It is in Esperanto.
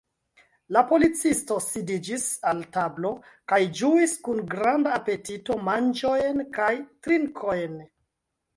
La policisto sidiĝis al tablo kaj ĝuis kun granda apetito manĝojn kaj trinkojn.